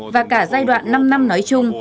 và cả giai đoạn năm năm nói chung